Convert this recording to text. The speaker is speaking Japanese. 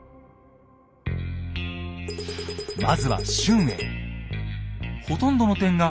まずは春英。